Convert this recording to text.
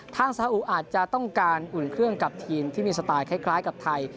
ทางสาอุอาจจะต้องการอุ่นเครื่องกับทีมที่มีสไตล์คล้ายกับไทย